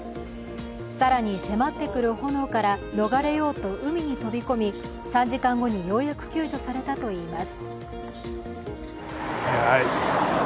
更に迫ってくる炎から逃れようと海に飛び込み３時間後にようやく救助されたといいます。